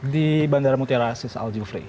di bandara mutiara sis aljufri